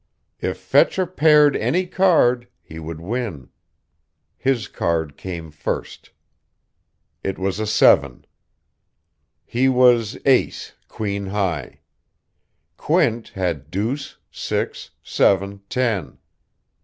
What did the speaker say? If Fetcher paired any card, he would win. His card came first. It was a seven. He was ace, queen high. Quint had deuce, six, seven, ten.